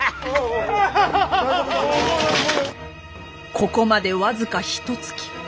ここまで僅かひとつき。